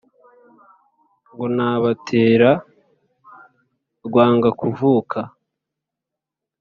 Ngo ntabatera Rwangakuvuka